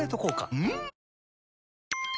うん！